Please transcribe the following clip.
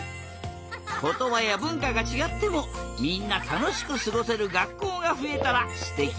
ことばやぶんかがちがってもみんなたのしくすごせるがっこうがふえたらすてきだな！